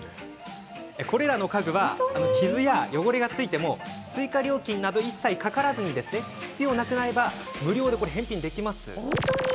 これらの家具は傷や汚れがついても追加料金など一切かからず必要なくなれば無料で返品できます。